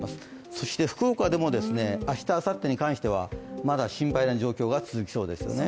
そして福岡でも明日あさってに関してはまだ心配な状況が続きそうですよね。